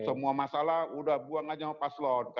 semua masalah udah buang aja sama paslon